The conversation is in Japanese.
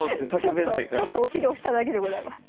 ちょっとお尻押しただけでございます。